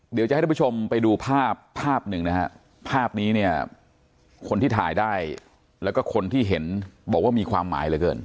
เดี๋ยวจะให้ทุกผู้ชมไปดูภาพภาพหนึ่งนะฮะภาพนี้เนี่ยคนที่ถ่ายได้แล้วก็คนที่เห็นบอกว่ามีความหมายเหลือเกิน